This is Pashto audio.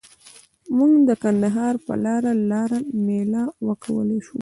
مونږ به د کندهار په لاره لار میله وکولای شو.